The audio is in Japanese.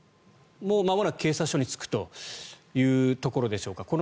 もうまもなく警察署に着くというところでしょうか。